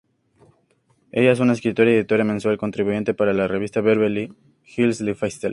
Ella es una escritora y editora mensual contribuyente para la revista "Beverly Hills Lifestyle".